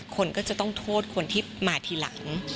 คนก็จะต้องโทษคนที่มาทีหลัง